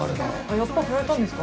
やっぱり振られたんですか？